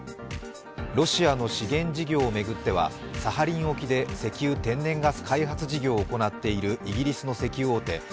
ロシアの資源事業を巡ってはサハリン沖で石油・天然ガス開発事業を行っているイギリスの石油大手